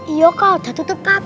iya kak udah tutup kak